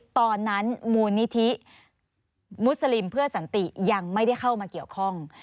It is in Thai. ตอนนั้นมูลนิธิมุสลิมเพื่อสันติยังไม่ได้เข้ามาเกี่ยวข้อง